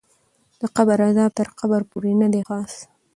د قبر غذاب تر قبر پورې ندی خاص